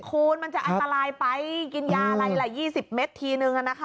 คุณมันจะอันตรายไปกินยาอะไรล่ะ๒๐เมตรทีนึง